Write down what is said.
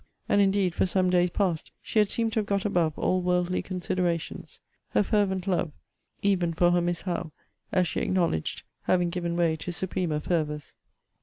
And indeed for some days past she had seemed to have got above all worldly considerations. Her fervent love, even for her Miss Howe, as she acknowledged, having given way to supremer fervours.